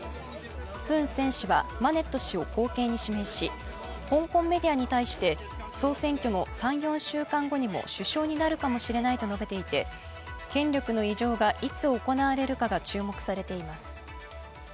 フン・セン氏はマネット氏を後継に指名し香港メディアに対して総選挙の３４週間後にも首相になるかもしれないと述べていて、権力の委譲がいつ行われるかが注目されています。